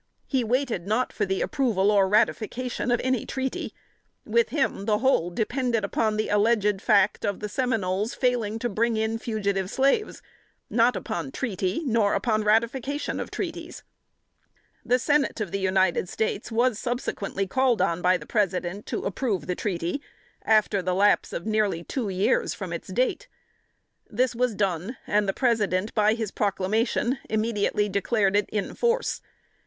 He waited not for the approval or ratification of any treaty; with him the whole depended upon the alleged fact of the Seminoles failing to bring in fugitive slaves not upon treaty, nor upon the ratification of treaties. [Sidenote: 1834.] The Senate of the United States was subsequently called on by the President to approve the treaty after the lapse of nearly two years from its date. This was done, and the President by his proclamation immediately declared it in force.